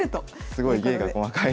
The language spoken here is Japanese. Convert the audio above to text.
すごい芸が細かい。